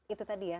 itu tadi ya